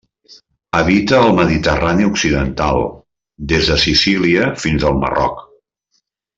Habita al Mediterrani occidental, des de Sicília fins al Marroc.